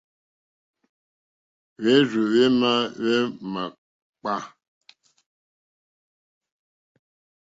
Hwérzù hwémá hwémǎkpâ.